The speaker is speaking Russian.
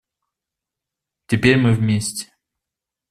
Теперь мы вместе.